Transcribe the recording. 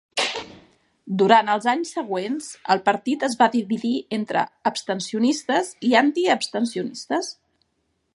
Durant els anys següents, el partit es va dividir entre abstencionistes i antiabstencionistes.